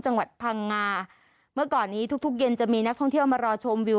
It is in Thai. จังหวัดพังงาเมื่อก่อนนี้ทุกทุกเย็นจะมีนักท่องเที่ยวมารอชมวิว